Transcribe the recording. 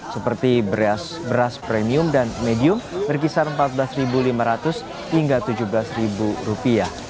seperti beras premium dan medium berkisar rp empat belas lima ratus hingga rp tujuh belas